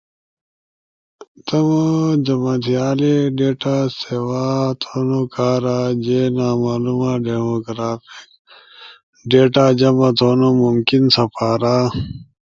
تمو جمع تھیالی ڈیٹا سیوا تھونو کارا جے نامولوما ڈیموگرافکس ڈیٹا جمع تھونو ممکن سپارا۔